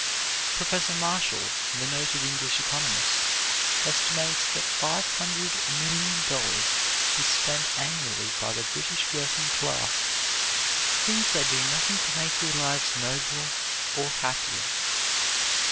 Professor Marshall, the noted English economist, estimates that $500,000,000 is spent annually by the British working classes for things that do nothing to make their lives nobler or happier.